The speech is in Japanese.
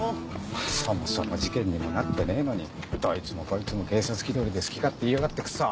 そもそも事件にもなってねえのにどいつもこいつも警察気取りで好き勝手言いやがってクソっ。